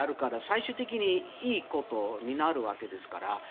最終的にいいことになるわけですから。